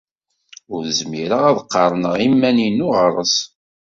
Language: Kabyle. Ur zmireɣ ad qarneɣ iman-inu ɣer-s.